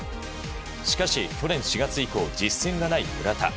しかし、去年４月以降実戦がない村田。